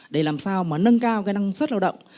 để làm sao mà nâng cao cái năng suất lao động